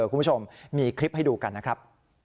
คุณผู้ชมมีคลิปให้ดูกันนะครับ